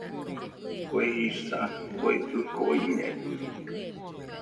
Kue jisa, Kue ɨko iñaiño